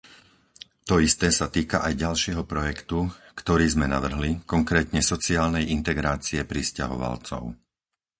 To isté sa týka aj ďalšieho projektu, ktorý sme navrhli, konkrétne sociálnej integrácie prisťahovalcov.